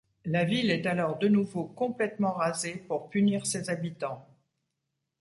La ville est alors de nouveau complètement rasée pour punir ses habitants.